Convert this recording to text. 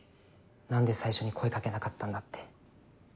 何で最初に声掛けなかったんだって。